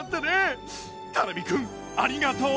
たら実くんありがとう。